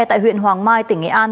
tại huyện hoàng mai tỉnh nghệ an